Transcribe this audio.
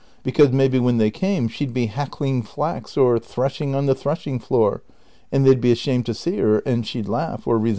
*' Because maybe when they came she 'd be hackling flax or threshing on the threshing floor,^ and they 'd be ashamed to see her, and she 'd laugh, or resent the })resent."